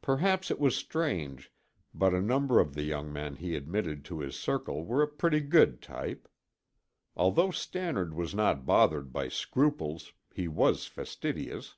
Perhaps it was strange, but a number of the young men he admitted to his circle were a pretty good type. Although Stannard was not bothered by scruples, he was fastidious.